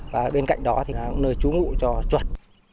và bên cạnh đó thì có nơi chú ngụ cho chuột